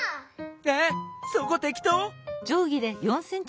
えっそこてきとう？